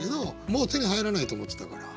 もう手に入らないと思ってたから。